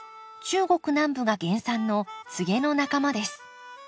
中国南部が原産のツゲの仲間です。